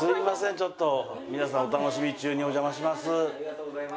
ちょっと皆さんお楽しみ中にお邪魔します。